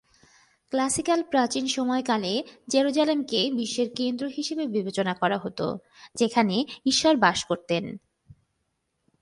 Classical প্রাচীন সময়কালে জেরুসালেমকে বিশ্বের কেন্দ্র হিসেবে বিবেচনা করা হত, যেখানে ঈশ্বর বাস করতেন।